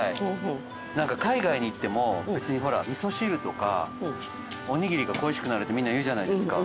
何か海外に行っても別に味噌汁とかおにぎりが恋しくなるってみんな言うじゃないですか。